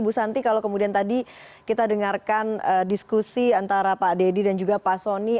bu santi kalau kemudian tadi kita dengarkan diskusi antara pak deddy dan juga pak soni